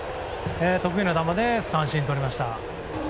得意の球で三振をとりました。